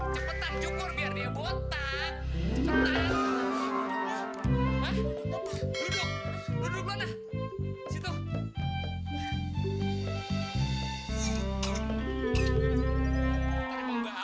cepetan cukup biar dia kok tentang